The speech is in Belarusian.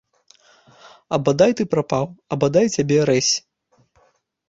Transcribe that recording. А бадай ты прапаў, а бадай цябе рэзь!